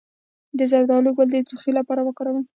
د زردالو ګل د ټوخي لپاره وکاروئ